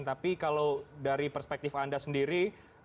tapi kalau dari perspektif anda sendiri